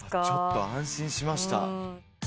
ちょっと安心しました。